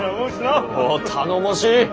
おぉ頼もしい。